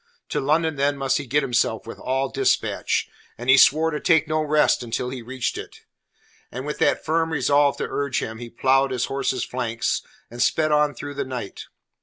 To London then must he get himself with all dispatch, and he swore to take no rest until he reached it. And with that firm resolve to urge him, he ploughed his horse's flanks, and sped on through the night.